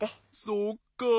そっかあ。